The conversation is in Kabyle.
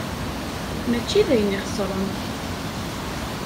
Mačči d ayen ixesren.